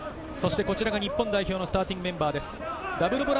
こちらが日本代表のスターティングメンバーです。